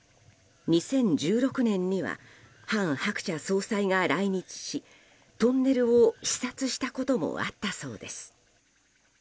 ２０１６年には韓鶴子総裁が来日しトンネルを視察したこともあったそうです。